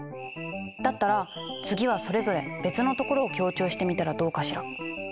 だったら次はそれぞれ別のところを強調してみたらどうかしら。